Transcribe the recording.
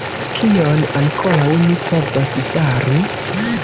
Kion ankoraŭ ni povos fari?